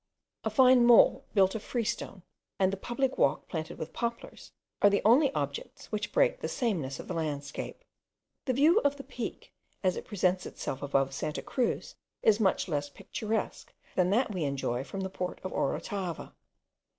A fine mole, built of freestone, and the public walk planted with poplars, are the only objects which break the sameness of the landscape. The view of the peak, as it presents itself above Santa Cruz, is much less picturesque than that we enjoy from the port of Orotava.